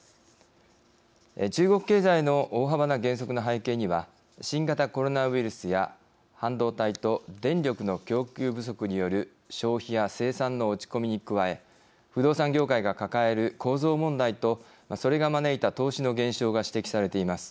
中国経済の大幅な減速の背景には新型コロナウイルスや半導体と電力の供給不足による消費や生産の落ち込みに加え不動産業界が抱える構造問題とそれが招いた投資の減少が指摘されています。